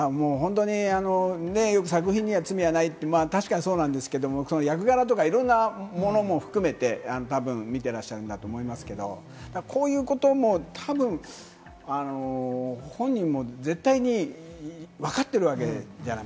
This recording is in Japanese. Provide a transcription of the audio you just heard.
よく作品には罪はないって確かにそうなんですけれど、役柄とかいろんなものも含めて、たぶん見ていらっしゃるんだと思いますけれども、こういうこともたぶん本人も絶対にわかっているわけじゃない？